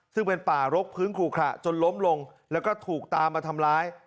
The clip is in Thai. ซึ่งเป็นป่ารกพื้นครูขระจนล้มลงแล้วก็ถูกตามมาทำร้าย